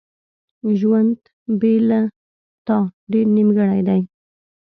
ژوند بیله تا ډیر نیمګړی دی.